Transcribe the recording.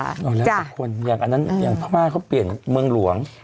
เอาละทุกคนอย่างพระม่าเขาเปลี่ยนเมืองหลวง